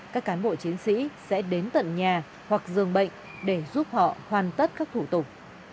các cán bộ chiến sĩ sẽ đến tận nhà hoặc dường bệnh để giúp họ hoàn tất các thủ tục